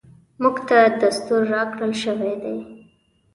موږ ته دستور راکړل شوی دی .